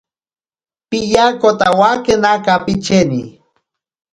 Piyakotawakena kapicheni.